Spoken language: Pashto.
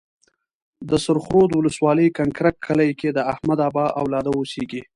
د سرخ رود ولسوالۍ کنکرک کلي کې د احمدآبا اولاده اوسيږي.